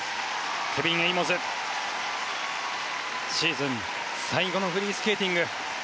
ケビン・エイモズシーズン最後のフリースケーティング。